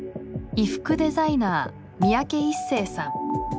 衣服デザイナー三宅一生さん。